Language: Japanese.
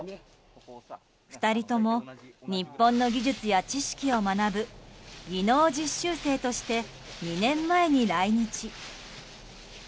２人とも日本の技術や知識を学ぶ技能実習生として２年前に来日。